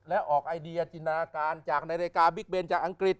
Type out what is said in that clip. และออกไอเดียจินตนาการจากนาฬิกาบิ๊กเบนจากอังกฤษ